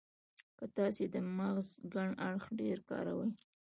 که تاسې د مغز کڼ اړخ ډېر کاروئ.